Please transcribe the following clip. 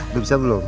udah bisa belum